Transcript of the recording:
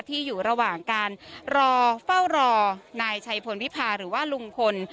อยู่ระหว่างการรอเฝ้ารอนายชัยพลวิพาหรือว่าลุงพล